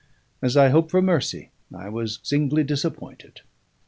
As I hope for mercy, I was singly disappointed.